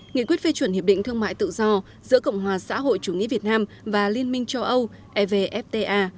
nghị quyết phê chuẩn hiệp định thương mại tự do giữa cộng hòa xã hội chủ nghĩa việt nam và liên minh châu âu evfta